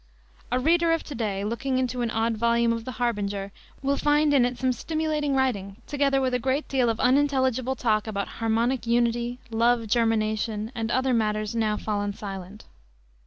A reader of to day, looking into an odd volume of the Harbinger, will find in it some stimulating writing, together with a great deal of unintelligible talk about "Harmonic Unity," "Love Germination," and other matters now fallen silent.